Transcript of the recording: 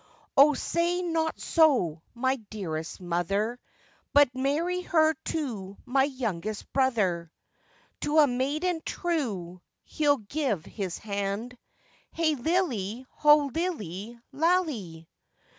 'O, say not so, my dearest mother, But marry her to my youngest brother— 'To a maiden true he'll give his hand, Hey lillie, ho lillie lallie.